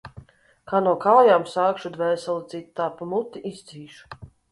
Kā no kājām sākšu dvēseli dzīt, tā pa muti izdzīšu.